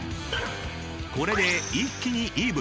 ［これで一気にイーブン］